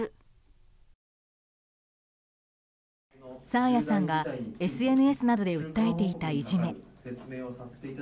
爽彩さんがＳＮＳなどで訴えていたいじめ。